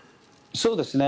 そうですね。